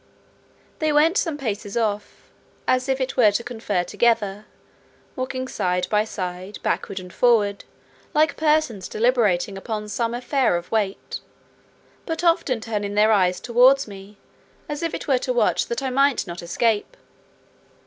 They went some paces off, as if it were to confer together, walking side by side, backward and forward, like persons deliberating upon some affair of weight, but often turning their eyes towards me, as it were to watch that I might not escape.